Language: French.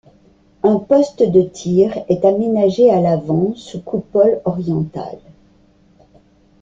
Un poste de tir est aménagé à l’avant, sous coupole orientable.